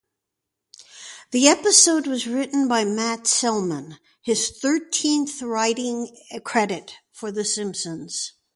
The episode was written by Matt Selman, his thirteenth writing credit for "The Simpsons".